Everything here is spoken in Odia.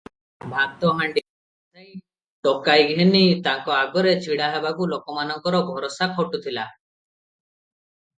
ଭାତ ହାଣ୍ତି ବସାଇ ଟୋକାଇ ଘେନି ତାଙ୍କ ଆଗରେ ଛିଡ଼ାହେବାକୁ ଲୋକମାନଙ୍କର ଭରସା ଖଟୁଥିଲା ।